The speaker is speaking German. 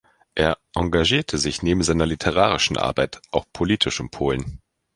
Er engagierte sich neben seiner literarischen Arbeit auch politisch in Polen.